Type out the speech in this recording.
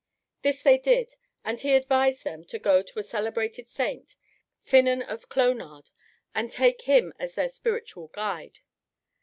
This they did, and he advised them to go to a celebrated saint, Finnen of Clonard, and take him as their spiritual guide.